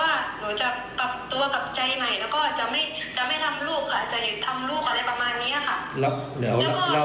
หนูก็บอกกับเฟนแล้วว่าหนูจะปรับตัวกับใจใหม่แล้วก็จะไม่ทำลูกค่ะ